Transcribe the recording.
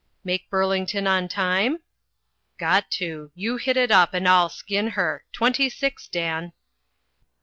"Make Burlington on time?" "Got to: you hit it up, and I'll skin her. Twenty six, Dan."